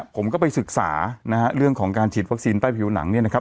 ผมก็ไปศึกษานะฮะเรื่องของการฉีดวัคซีนใต้ผิวหนังเนี่ยนะครับ